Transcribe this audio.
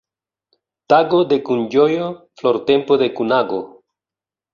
Tago de kunĝojo, flortempo de kunago.